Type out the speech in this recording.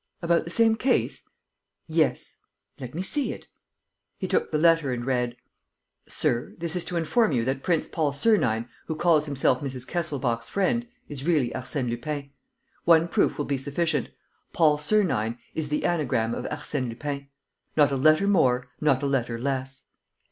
"About the same case?" "Yes." "Let me see it." He took the letter and read: "SIR, "This is to inform you that Prince Paul Sernine, who calls himself Mrs. Kesselbach's friend, is really Arsène Lupin. "One proof will be sufficient: Paul Sernine is the anagram of Arsène Lupin. Not a letter more, not a letter less.